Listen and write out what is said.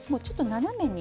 斜めに。